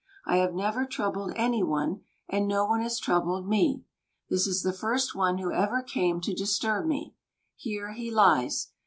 I have never troubled any one, and no one has troubled me. This is the first one who ever came to disturb me. Here he lies.